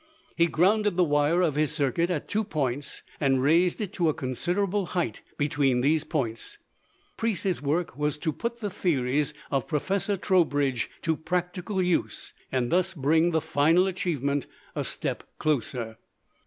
He grounded the wire of his circuit at two points and raised it to a considerable height between these points. Preece's work was to put the theories of Professor Trowbridge to practical use and thus bring the final achievement a step nearer.